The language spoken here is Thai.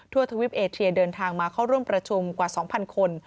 ทวิปเอเชียเดินทางมาเข้าร่วมประชุมกว่า๒๐๐คน